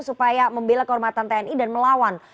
supaya membela kehormatan tni dan melawan